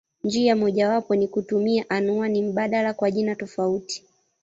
Njia mojawapo ni kutumia anwani mbadala kwa jina tofauti.